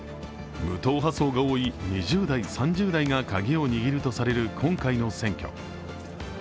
無党派層が多い２０代、３０代がカギを握るとされる今回の選挙。